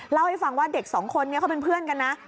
เล่าให้ฟังว่าเด็กสองคนนี้เขาเป็นเพื่อนกันนะ